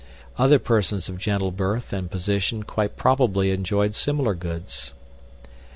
Other persons of gentle birth and position quite probably enjoyed similar goods.